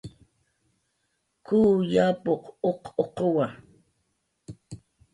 "K""uw yapuq uq uquwa"